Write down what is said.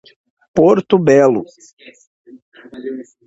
Porto Belo